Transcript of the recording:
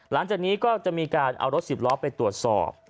หลังจากนี้ก็จะมีการเอารถสิบล้อไปตรวจสอบ